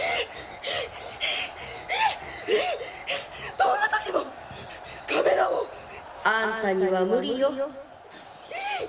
どんな時もカメラを「あんたには無理よ」。